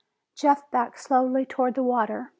Jeff backed slowly toward the water.